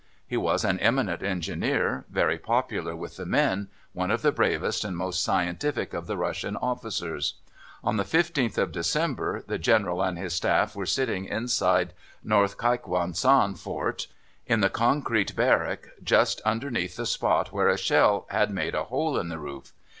He was an eminent engineer, very popular with the men, one of the bravest and most scientific of the Russian officers. On the 15th of December the General and his staff were sitting inside North Keikwansan Fort, in the concrete barrack just underneath the spot where a shell had made a hole in the roof.